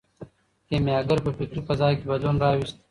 کیمیاګر په فکري فضا کې بدلون راوست.